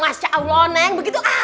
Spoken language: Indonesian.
masya allah neng begitu